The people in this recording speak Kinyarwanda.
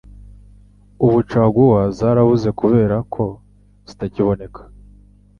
ubu caguwa zarabuze kubera ko zitakiboneka